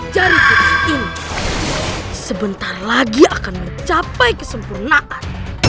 jari kunci ini sebentar lagi akan mencapai kesempurnaan